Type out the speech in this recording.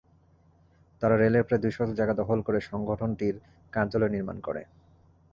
তারা রেলের প্রায় দুই শতক জায়গা দখল করে সংগঠনটির কার্যালয় নির্মাণ করে।